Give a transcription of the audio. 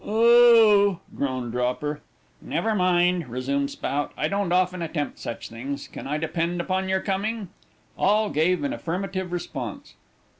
"Oh h!" groaned Dropper. "Never mind," resumed Spout, "I don't often attempt such things. Can I depend upon your coming?" All gave an affirmative response.